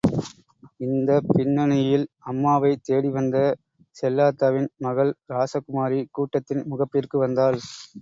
இந்தப் பின்னணியில், அம்மாவை தேடிவந்த செல்லாத்தாவின் மகள் ராசகுமாரி, கூட்டத்தின் முகப்பிற்கு வந்தாள்.